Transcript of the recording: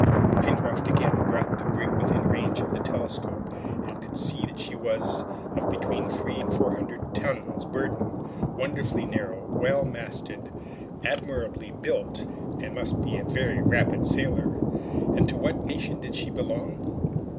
Pencroft again brought the brig within the range of the telescope, and could see that she was of between three and four hundred tons burden, wonderfully narrow, well masted, admirably built, and must be a very rapid sailer. But to what nation did she belong?